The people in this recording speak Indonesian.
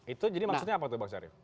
itu jadi maksudnya apa tuh pak syarif